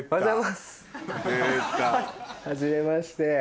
はじめまして。